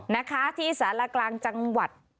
นะคะอิสระละกลางจังหวัด